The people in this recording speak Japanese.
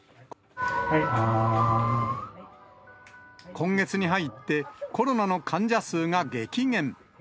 今月に入って、コロナの患者数が激減。